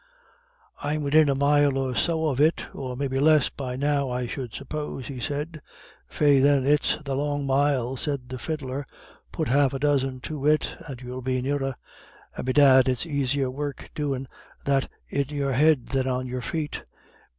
"I'm widin a mile or so of it, or maybe less, by now, I should suppose," he said. "Faix, then, it's the long mile," said the fiddler. "Put half a dozen to it, and you'll be nearer; and bedad it's aisier work doin' that in your head than on your feet.